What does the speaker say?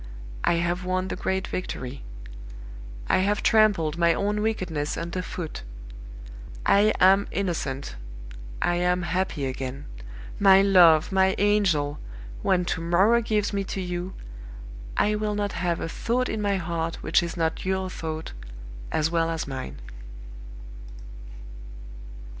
"I have won the great victory; I have trampled my own wickedness under foot. I am innocent; I am happy again. My love! my angel! when to morrow gives me to you, I will not have a thought in my heart which is not your thought, as well as mine!"